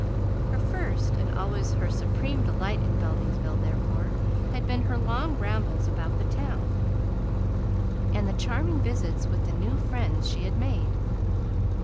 Her first and always her supreme delight in Beldingsville, therefore, had been her long rambles about the town and the charming visits with the new friends she had made.